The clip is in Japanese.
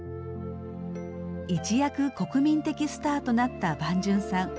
一躍国民的スターとなった伴淳さん。